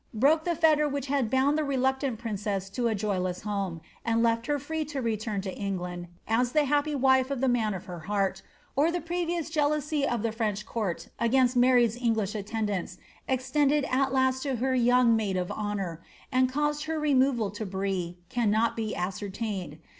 broke the fetter which had bound the reluctant princess to a joyless koma, and left her free to return to England as the happy wife of the man of her heart, or the previous jealousy of the French court against Mary's English attendants extended at last to her young maid of honour, and caused her removal to Brie, cannot be ascertained.